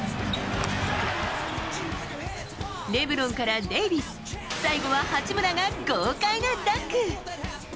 レブロンからデイビス、最後は八村が豪快なダンク。